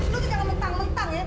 lo juga jangan mentang mentang ya